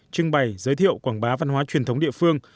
trưng bày giới thiệu quảng bá văn hóa truyền thống địa phương